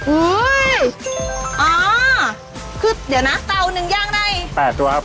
อุ๊ยอ้าวคือเดี๋ยวนะเตา๑ย่างได้๘ตัวครับ